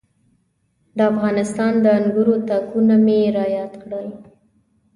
د افغانستان د انګورو تاکونه مې را یاد کړل.